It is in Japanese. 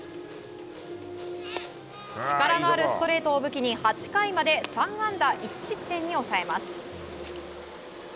力のあるストレートを武器に８回まで３安打１失点に抑えます。